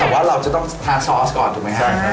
แต่ว่าเราจะต้องทาซอสก่อนถูกไหมครับ